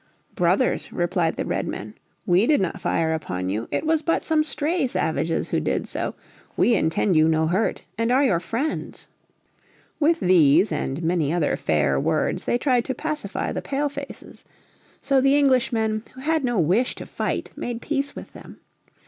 "Brothers," replied the Redmen, "we did not fire upon you. It was but some stray savages who did so. We intend you no hurt and are your friends." With these and many other fair words they tried to pacify the Pale faces. So the Englishmen, who had no wish to fight, made peace with them.